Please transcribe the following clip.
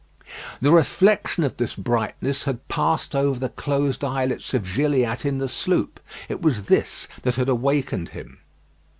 The reflection of this brightness had passed over the closed eyelids of Gilliatt in the sloop. It was this that had awakened him.